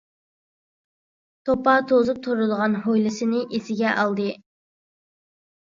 توپا توزۇپ تۇرىدىغان ھويلىسىنى ئېسىگە ئالدى.